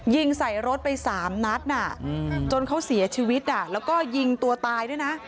ยิงใส่รถไป๓นัดจนเขาเสียชีวิตแล้วก็ยิงตัวตายด้วยนะ